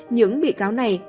những bị cáo này